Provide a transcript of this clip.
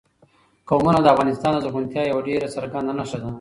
قومونه د افغانستان د زرغونتیا یوه ډېره څرګنده نښه ده.